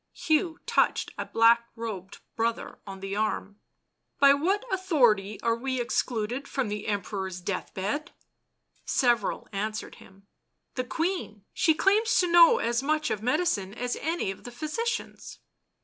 Hugh touched a black robed brother on the arm. " By what authority are we excluded from the Em peror's death bed?" Several answered him :" The Queen ! she claims to know as much of medicine as any of the physicians."